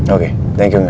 oke thank you nga